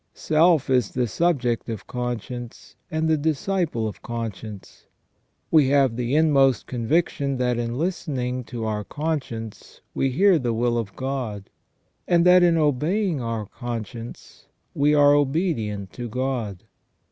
Self is the subject of conscience and the disciple of conscience. We have the inmost conviction that in listening to our conscience we hear the will of God, and that in obeying our conscience we are obedient to God.